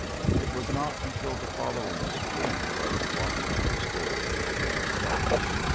It was not nntil the following spring that he walked to his goal with a firm step.